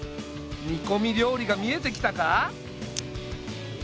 煮こみ料理が見えてきたか？